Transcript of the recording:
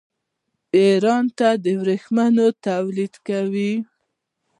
ایران د ورېښمو تولید کوي.